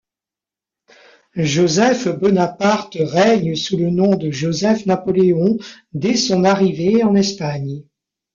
Joseph Bonaparte règne sous le nom de Joseph-Napoléon dès son arrivée en Espagne.